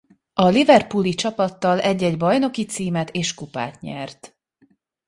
A liverpooli csapattal egy-egy bajnoki címet és kupát nyert.